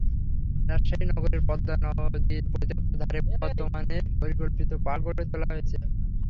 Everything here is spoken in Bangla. রাজশাহী নগরের পদ্মা নদীর পরিত্যক্ত ধারে বর্তমানে পরিকল্পিত পার্ক গড়ে তোলা হয়েছে।